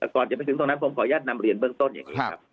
ก่อนจะไปถึงตรงนั้นผมขออนุญาตนำเรียนเบื้องต้นอย่างนี้ครับ